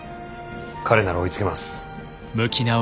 彼なら追いつけます。